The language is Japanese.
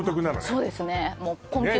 そうですね